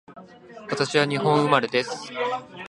私は日本生まれです